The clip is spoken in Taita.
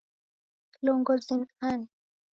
Kilongozi ni ani